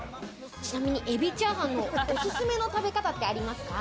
ちなみに海老チャーハンのおすすめの食べ方ってありますか？